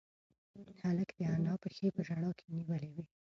هلک د انا پښې په ژړا کې نیولې وې.